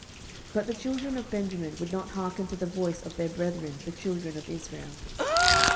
But the children of Benjamin would not hearken to the voice of their brethren the children of Israel.